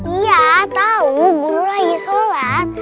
iya tau guru lagi sholat